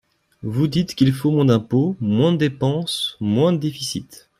Vous dites qu’il faut moins d’impôts, moins de dépenses, moins de déficit.